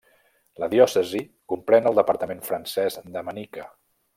La diòcesi comprèn el departament francès de Manica.